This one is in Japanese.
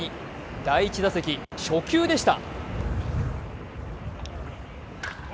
第１打席、初球でした。